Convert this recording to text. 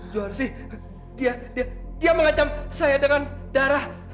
juwarsi dia dia mengacam saya dengan darah